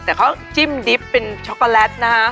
แต่เขาจิ้มดิบเป็นช็อกโกแลตนะฮะ